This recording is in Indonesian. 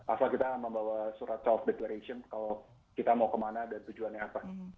asal kita membawa surat self declaration kalau kita mau kemana dan tujuannya apa